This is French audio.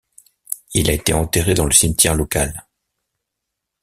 Il a été enterré dans le cimetière local.